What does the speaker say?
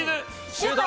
シュート！